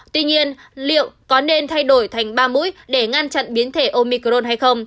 tuy nhiên liệu có nên thay đổi thành ba mũi để ngăn chặn biến thể omicron hay không